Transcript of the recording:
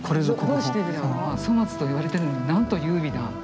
粗末と言われてるのになんと優美な。